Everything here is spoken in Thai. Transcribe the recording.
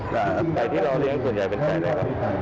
แต่ไก่ที่เราเลี้ยงส่วนใหญ่เป็นไก่เลยครับ